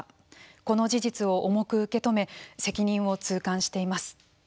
この事実を重く受け止め責任を痛感しています。